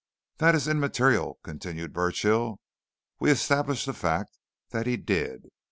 "That is immaterial," continued Burchill. "We establish the fact that he did.